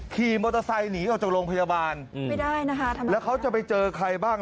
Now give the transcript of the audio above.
ขี่มอเตอร์ไซค์หนีออกจากโรงพยาบาลไม่ได้นะคะแล้วเขาจะไปเจอใครบ้าง